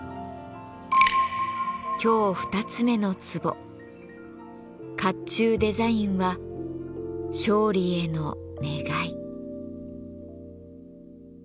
今日２つ目の壺「甲冑デザインは勝利への願い」。